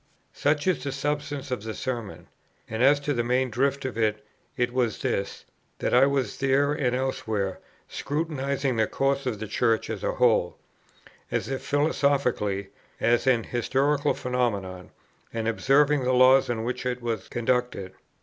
Such is the substance of the Sermon: and as to the main drift of it, it was this; that I was, there and elsewhere, scrutinizing the course of the Church as a whole, as if philosophically, as an historical phenomenon, and observing the laws on which it was conducted.